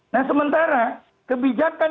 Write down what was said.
nah sementara kebijakan